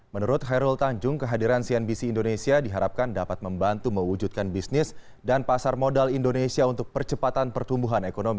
menurut hairul tanjung kehadiran cnbc indonesia diharapkan dapat membantu mewujudkan bisnis dan pasar modal indonesia untuk percepatan pertumbuhan ekonomi